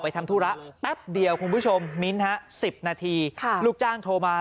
ทำธุระแป๊บเดียวคุณผู้ชมมิ้นฮะ๑๐นาทีลูกจ้างโทรมา